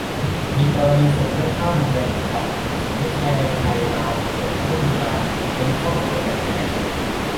มีกรณีส่งเลือดข้ามพรมแดนไหมครับ สมมติชายแดนไทย-ลาว ฉุกเฉินขึ้นมาเรามีข้อตกลงกันยังไง